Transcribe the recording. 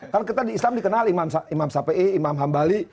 kan kita di islam dikenal imam sape'i imam hambali